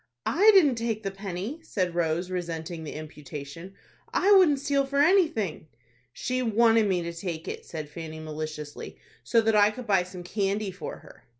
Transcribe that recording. "I didn't take the penny," said Rose, resenting the imputation; "I wouldn't steal for anything." "She wanted me to take it," said Fanny, maliciously, "so that I could buy some candy for her."